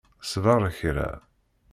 Sbeṛ kra.